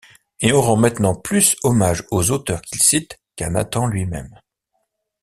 Et on rend maintenant plus hommage aux auteurs qu'il cite qu'à Nathan lui-même.